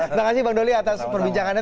terima kasih bang doli atas perbincangannya